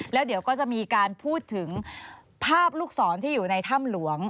แล้วเดี๋ยวก็จะมีการพูดถึงภาพลูกศรที่อยู่ในถ้ำหลวง